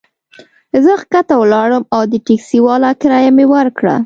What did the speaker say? زه کښته ولاړم او د ټکسي والا کرایه مي ورکړه.